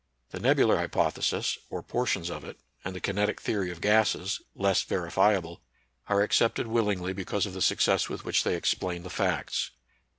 The nebular hypoth esis, or portions of it, and the kinetic theory of gases, less verifiable, are accepted willingly because of the success with which they explain the facts.